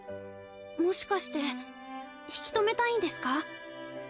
もしかして引き止めたいんですか？